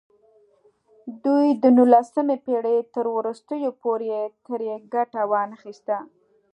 دوی د نولسمې پېړۍ تر وروستیو پورې ترې ګټه وانخیسته.